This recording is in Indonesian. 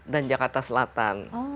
dan jakarta selatan